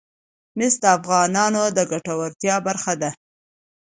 مس د افغانانو د ګټورتیا برخه ده.